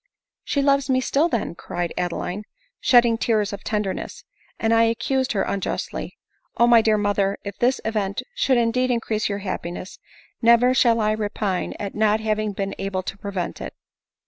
'" She loves me still. then !" cried Adeline, shedding tears of tenderness, u and T accused her unjustly. O piv dear inotber, if this event should indeed increase r 00 ADELINE MOWBRAY. your happiness, never shall I repine at not having been able to prevent it."